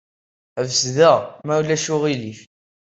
Ḥbes da, ma ulac aɣilif.